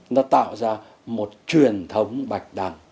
nó tạo ra một truyền thống bạch đằng